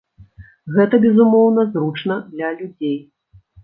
Гэта, безумоўна, зручна для людзей.